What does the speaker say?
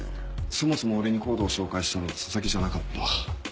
そもそも俺にＣＯＤＥを紹介したのは佐々木じゃなかった。